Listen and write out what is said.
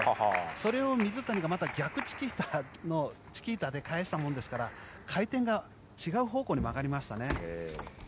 それを水谷がまた逆チキータで返したもんですから回転が違う方向に曲がりましたね。